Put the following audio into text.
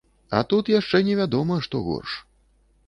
А тут яшчэ невядома што горш.